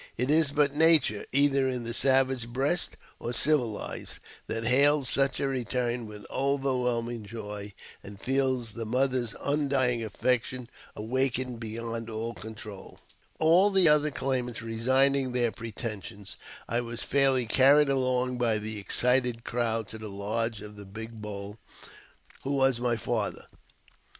It is but nature, either in the savage breast or civilized, that hails such a return with overwhelming joy, and feels the mother's undying affection awakened beyond all control. JAMES P. BECKWOVBTH, 133 All the other claimants resigning their pretensions, I was fairly carried along by the excited crowd to the lodge of the *' Big Bowl," who was my father.